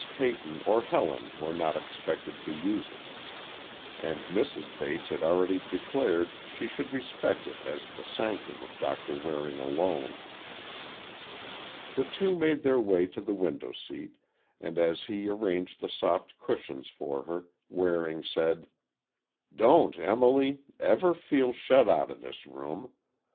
Peyton or Helen were not expected to use it, and Mrs. Bates had already declared she should respect it as the sanctum of Doctor Waring alone. The two made their way to the window seat, and as he arranged the soft cushions for her, Waring said, "Don't, Emily, ever feel shut out of this room.